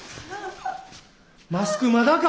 マスクまだか！